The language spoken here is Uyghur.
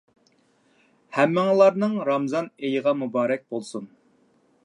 ھەممىڭلارنىڭ رامىزان ئېيىغا مۇبارەك بولسۇن.